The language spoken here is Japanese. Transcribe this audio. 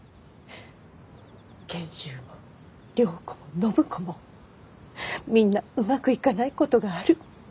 賢秀も良子も暢子もみんなうまくいかないことがある。